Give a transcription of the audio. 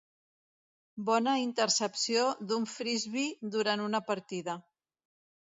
bona intercepció d'un frisbee durant una partida.